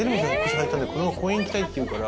子供公園行きたいって言うから。